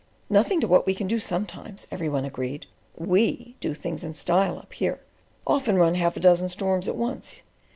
"Nothing to what we can do sometimes," every one agreed. "WE do things in style up here—often run half a dozen storms at once.